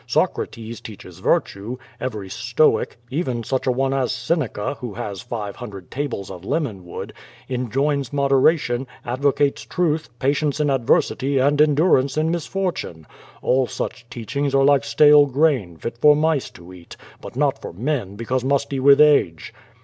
Socrates teaches virtue; every Stoic, even such a one as Seneca, who has five hundred tables of lemon wood, enjoins moderation, advocates truth, patience in adversity, and endurance in misfortune. All such teachings are like stale grain, fit for mice to eat, but not for men, because musty with age."